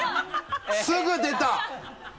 すぐ出た！